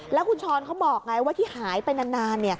แล้วคุณชรบุรณฮิรันทร์เขาบอกไงว่าที่หายไปนาน